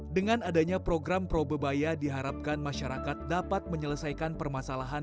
dengan adanya program probebaya diharapkan masyarakat dapat menyelesaikan permasalahan